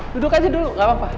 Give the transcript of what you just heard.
duduk aja dulu nggak apa apa